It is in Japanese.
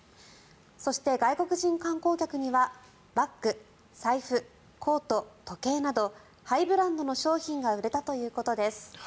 そして、外国人観光客にはバッグ、財布、コート、時計などハイブランドの商品が売れたということです。